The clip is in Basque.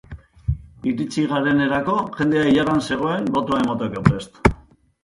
Iritsi garenerako, jendea ilaran zegoen botoa emateko prest.